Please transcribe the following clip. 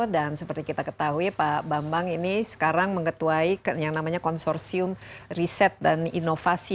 dan seperti kita ketahui pak bambang ini sekarang mengetuai yang namanya konsorsium riset dan inovasi ya